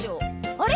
あれ？